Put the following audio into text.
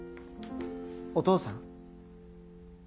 お父さん？